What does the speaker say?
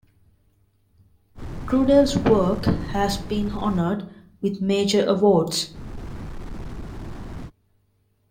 Trudel's work has been honored with major awards.